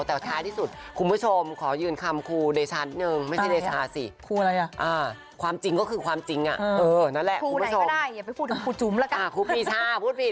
แต่ท้ายที่สุดคุณผู้ชมขอยืนคำครูเดช่านั้นดี